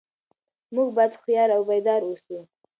موږ باید هوښیار او بیدار اوسو.